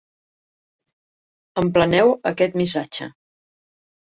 Empleneu aquest missatge.